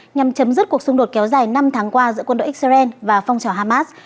nhằm chấm dứt cuộc xung đột kéo dài năm tháng qua giữa quân đội israel và phong trào hamas